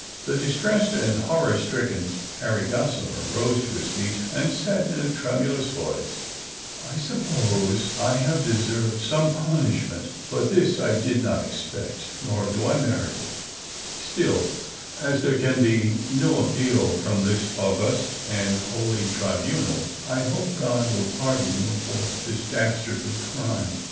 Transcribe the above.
The distressed and horror stricken Harry Gossimer rose to his feet and said, in a tremulous voice : "I suppose I have deserved some punishment, but this I did not expect, nor do I merit it ; still, as tliere can be no appeal from this august and holy tribunal, I hope God will pardon you for this dastardly crime